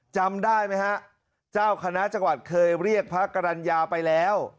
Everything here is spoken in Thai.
จำได้ไหมฮะเจ้าคณะจังหวัดเคยเรียกพระกรรณญาไปแล้ว